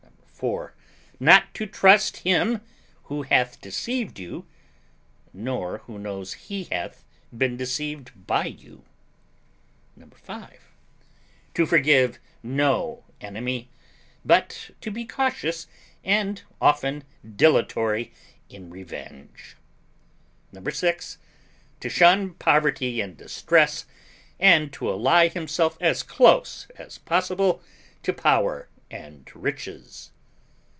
4. Not to trust him who hath deceived you, nor who knows he hath been deceived by you. 5. To forgive no enemy; but to be cautious and often dilatory in revenge. 6. To shun poverty and distress, and to ally himself as close as possible to power and riches.